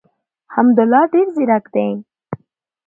حمدالله ډېر زیرک دی.